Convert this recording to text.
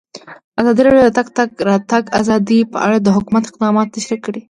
ازادي راډیو د د تګ راتګ ازادي په اړه د حکومت اقدامات تشریح کړي.